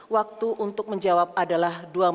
waktu untuk menjawab adalah dua menit bapak